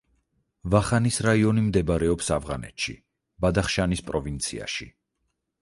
ვახანის რაიონი მდებარეობს ავღანეთში ბადახშანის პროვინციაში.